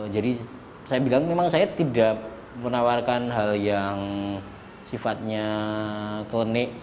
jadi saya bilang memang saya tidak menawarkan hal yang sifatnya keleneh